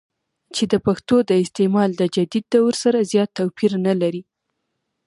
چې دَپښتو دَاستعمال دَجديد دور سره زيات توپير نۀ لري